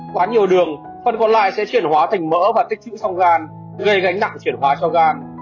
quá nhiều đường phần còn lại sẽ chuyển hóa thành mỡ và tích chữ song gan gây gánh nặng chuyển hóa cho gan